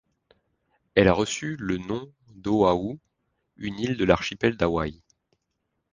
Elle a reçu le nom d'Oahu, une île de l'archipel d'Hawaii.